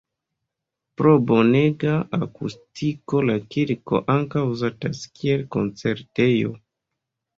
Pro bonega akustiko la kirko ankaŭ uzatas kiel koncertejo.